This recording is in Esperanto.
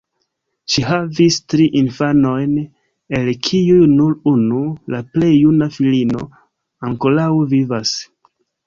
Ŝi havis tri infanojn, el kiuj nur unu, la plej juna filino, ankoraŭ vivas.